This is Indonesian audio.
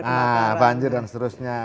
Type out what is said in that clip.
nah banjir dan seterusnya